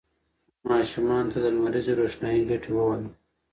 ماشومانو ته د لمریزې روښنايي ګټې ووایئ.